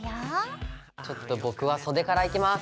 ちょっと僕は袖からいきます！